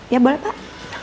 ya boleh pak